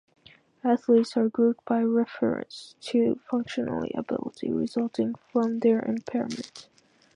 Athletes are grouped by reference to functional ability, resulting from their impairment.